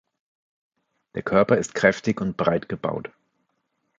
Der Körper ist kräftig und breit gebaut.